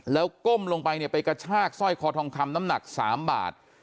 แล้วก้มลงไปเนี่ยไปกระชากสร้อยคอทองคำน้ำหนัก๓บาท